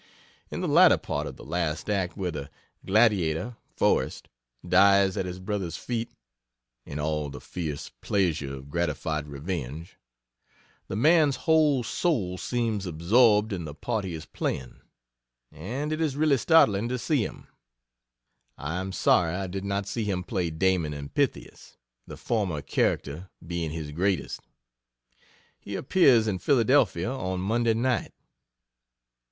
In the latter part of the last act, where the "Gladiator" (Forrest) dies at his brother's feet, (in all the fierce pleasure of gratified revenge,) the man's whole soul seems absorbed in the part he is playing; and it is really startling to see him. I am sorry I did not see him play "Damon and Pythias" the former character being his greatest. He appears in Philadelphia on Monday night.